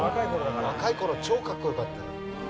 若い頃超かっこよかったよ。